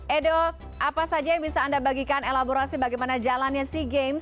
edo apa saja yang bisa anda bagikan elaborasi bagaimana jalannya sea games